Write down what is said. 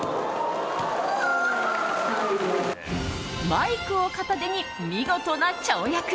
マイクを片手に見事な跳躍。